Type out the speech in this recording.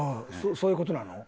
そういう事なの？